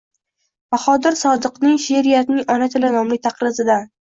Bahodir Sodiqning “She’riyatning ona tili” nomli taqrizidan: